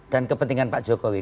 dan kepentingan pak jokowi